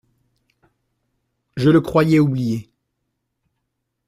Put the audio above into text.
Je le croyais oublié.